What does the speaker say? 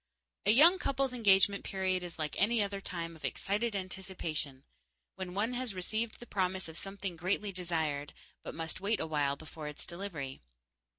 A young couple's engagement period is like any other time of excited anticipation, when one has received the promise of something greatly desired, but must wait awhile before its delivery.